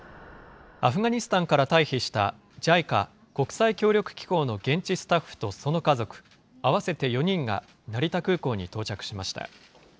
アフガニスタンから退避したＪＩＣＡ・国際協力機構の現地スタッフとその家族合わせて４人が成田空港に到着しました。